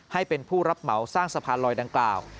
ให้เป็นผู้รับเหมาสร้างสะพานลอยดังกล่าว